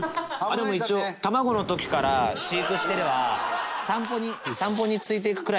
でも一応卵の時から飼育してれば散歩に散歩についていくくらいにはなるらしいですね。